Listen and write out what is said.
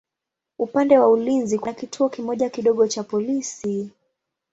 Upande wa ulinzi kuna kituo kimoja kidogo cha polisi.